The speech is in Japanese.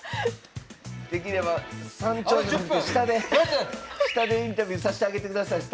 できれば山頂じゃなくて下で下でインタビューさしてあげてください